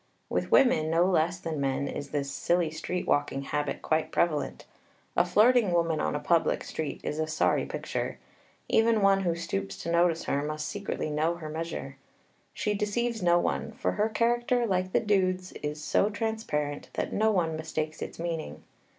With women, no less than men, is this silly street walking habit quite prevalent. A flirting woman on a public street is a sorry picture; even one who stoops to notice her must secretly know her measure. She deceives no one, for her character, like the dude's, is so transparent that no one mistakes its meaning.